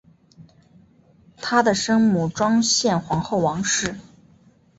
她的生母庄宪皇后王氏。